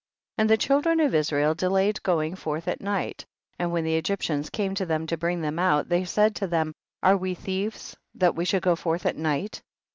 60. And the children of Israel de layed going forth at night, and when the Egyptians came to them to bring them out, tliey said to them, are we thieves, that we should go forth at night